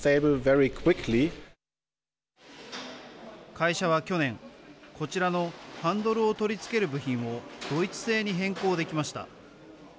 会社は去年、こちらのハンドルを取り付ける部品をドイツ製に変更できました。